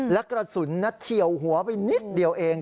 และกระสุนเฉียวหัวไปนิดเดียวเอง